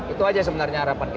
itu aja sebenarnya harapan kita